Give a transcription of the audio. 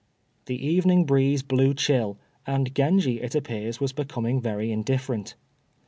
The evening breeze blew chill, and Genji it appears was becoming very indifferent.